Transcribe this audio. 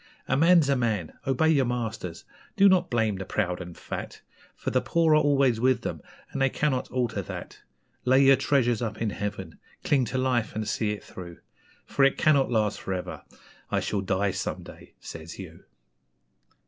A man's a man! Obey your masters! Do not blame the proud and fat, For the poor are always with them, and they cannot alter that. Lay your treasures up in Heaven cling to life and see it through! For it cannot last for ever 'I shall die some day,' says you.